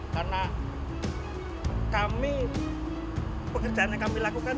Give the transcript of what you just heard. karena kami pekerjaan yang kami lakukan